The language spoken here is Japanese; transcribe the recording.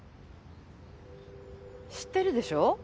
知ってるでしょ？